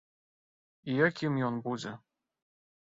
І якім ён будзе?